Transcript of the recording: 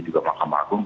juga mahkamah agung